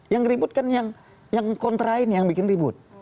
yang ribut kan yang kontra ini yang bikin ribut